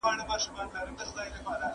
هغې خپلې جامې په المارۍ کې کېښودې.